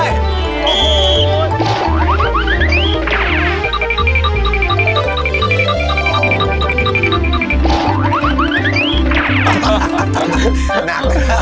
หนักนะครับโอ๊ะ